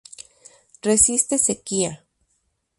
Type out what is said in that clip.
Resiste sequía.